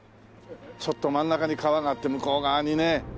ちょっと真ん中に川があって向こう側にね海が見えます。